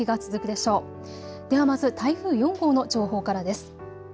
ではまず台風４号の情報からです。